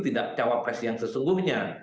tidak cawapres yang sesungguhnya